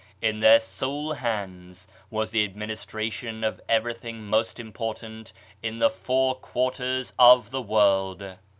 In their sole hands was the administration of everything most important in the four quarters of the world.